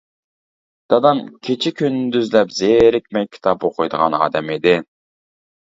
دادام كېچە-كۈندۈزلەپ زېرىكمەي كىتاب ئوقۇيدىغان ئادەم ئىدى.